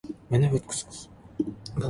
Абырой табам десең, кем болма.